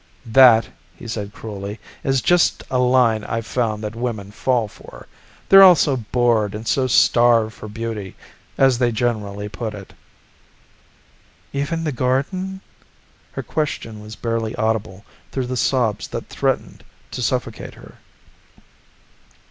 "That," he said cruelly, "is just a line I've found that women fall for. They're all so bored and so starved for beauty as they generally put it." "Even the garden?" Her question was barely audible through the sobs that threatened to suffocate her.